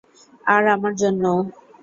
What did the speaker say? আর আমার জন্যও।